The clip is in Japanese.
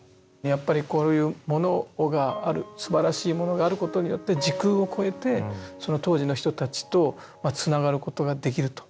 やっぱりこういうものがあるすばらしいものがあることによって時空を超えてその当時の人たちとつながることができると。